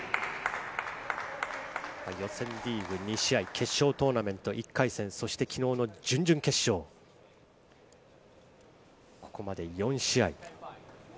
予選リーグ２試合、決勝トーナメント１回戦、そして昨日の準々決勝、ここまで４試合。